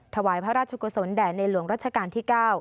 ถวายพระราชกุศลแด่ในหลวงรัชกาลที่๙